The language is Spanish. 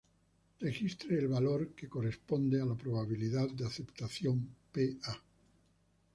Registre el valor que corresponde a la probabilidad de aceptación Pa.